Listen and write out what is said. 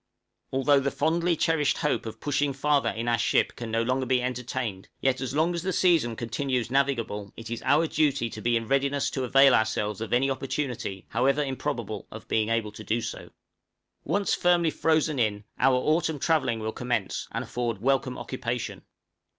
Although the fondly cherished hope of pushing farther in our ship can no longer be entertained, yet as long as the season continues navigable it is our duty to be in readiness to avail ourselves of any opportunity, however improbable, of being able to do so. {FALCONS GOOD ARCTIC FARE.} Once firmly frozen in, our autumn travelling will commence, and afford welcome occupation.